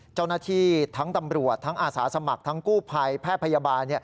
เจ้าหน้าที่ทั้งตำรวจทั้งอาสาสมัครทั้งกู้ภัยแพทย์พยาบาล